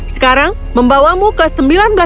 sekarang membawamu ke sembilan belas september